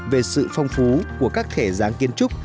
về sự phong phú của các thể dán kiến trúc